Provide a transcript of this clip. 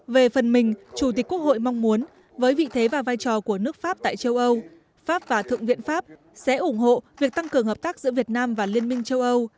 về phần mình chủ tịch quốc hội mong muốn với vị thế và vai trò của nước pháp tại châu âu pháp và thượng viện pháp sẽ ủng hộ việc tăng cường hợp tác giữa việt nam và liên minh châu âu